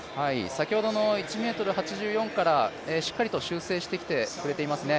先ほどの１ｍ８４からしっかりと修正してきてくれていますね。